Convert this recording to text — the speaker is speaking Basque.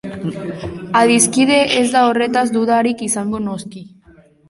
Adiskide, ez da horretaz dudarik izango, noski.